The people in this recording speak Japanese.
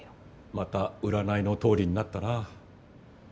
また占いの通りになったな。